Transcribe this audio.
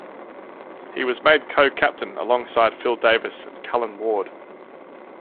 He was made co-captain alongside Phil Davis and Callan Ward.